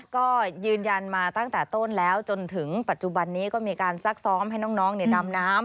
ก็ยืนยันมาตั้งแต่ต้นแล้วจนถึงปัจจุบันนี้ก็มีการซักซ้อมให้น้องดำน้ำ